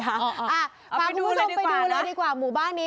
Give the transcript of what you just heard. เอาให้มันไปดูได้ก่อนเอาไปดูหล่ะดีกว่าหมู่บ้านนี้